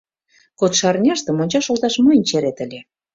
— Кодшо арняште мончаш олташ мыйын черет ыле.